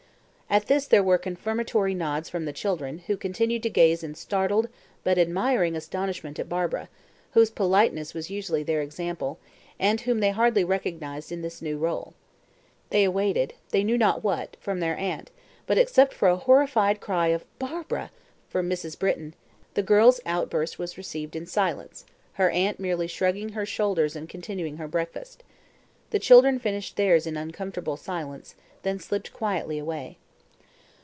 At this there were confirmatory nods from the children, who continued to gaze in startled, but admiring, astonishment at Barbara, whose politeness was usually their example, and whom they hardly recognised in this new role. They awaited they knew not what from their aunt, but except for a horrified cry of "Barbara!" from Mrs. Britton, the girl's outburst was received in silence, her aunt merely shrugging her shoulders and continuing her breakfast. The children finished theirs in uncomfortable silence, then slipped quietly away.